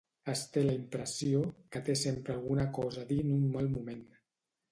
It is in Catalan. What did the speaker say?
Es té la impressió que té sempre alguna cosa a dir en un mal moment.